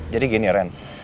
jadi gini ren